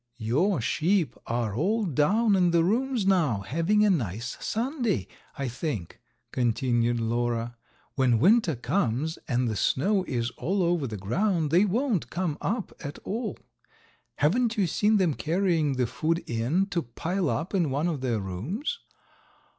"Your sheep are all down in the rooms now, having a nice Sunday, I think," continued Lora. "When winter comes and the snow is all over the ground they won't come up at all. Haven't you seen them carrying food in to pile up in one of their rooms?"